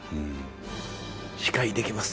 司会できます